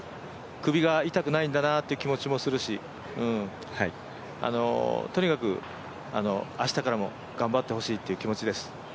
首が痛くないんだなという気持ちもするしとにかく明日からも頑張ってほしいっていう気持ちです。